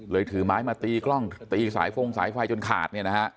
เลยถือไม้มาตีกล้องตีสายฟงสายไฟจนขาด